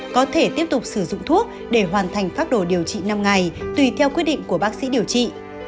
có thể tiếp tục sử dụng thuốc để hoàn thành phác đồ điều trị năm ngày tùy theo quyết định của bác sĩ điều trị